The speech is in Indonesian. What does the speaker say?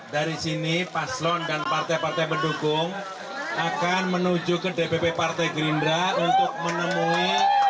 dari sini paslon dan partai partai pendukung akan menuju ke dpp partai gerindra untuk menemui